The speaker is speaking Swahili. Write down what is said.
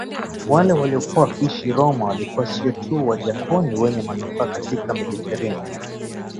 Wale waliokuwa wakiishi Roma walikuwa sio tu wajokoni wenye manufaa katika Mediteranean